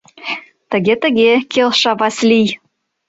— Тыге-тыге... — келша Васлий.